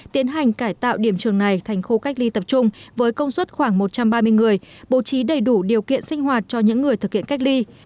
tiến hành cải tạo điểm trường này thành khu cách ly tập trung với công suất khoảng một trăm ba mươi người bố trí đầy đủ điều kiện sinh hoạt cho những người thực hiện cách ly